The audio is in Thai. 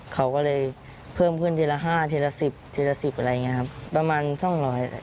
เขาก็เลยเพิ่มขึ้นทีละ๕ทีละ๑๐ทีละ๑๐อะไรอย่างนี้ครับประมาณ๒๐๐ครับ